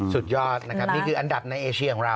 สุดยอดนะครับนี่คืออันดับในเอเชียของเรา